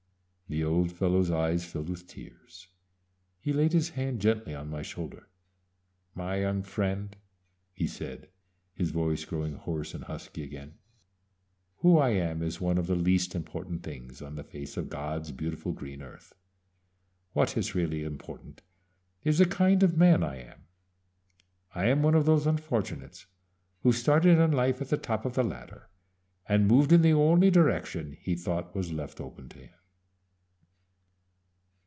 The old fellow's eyes filled with tears. He laid his hand gently on my shoulder. "My young friend," he said, his voice growing hoarse and husky again, "who I am is one of the least important things on the face of God's beautiful green earth. What is really important is the kind of man I am. _I am one of those unfortunates who started in life at the top of the ladder and moved in the only direction he thought was left open to him.